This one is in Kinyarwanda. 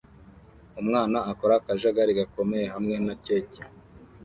Umwana akora akajagari gakomeye hamwe na keke